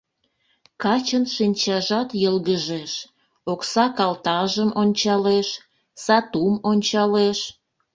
Качын шинчажат йылгыжеш, окса калтажым ончалеш, сатум ончалеш...